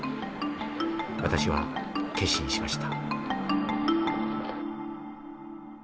私は決心しました」。